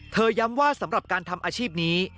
ย้ำว่าสำหรับการทำอาชีพนี้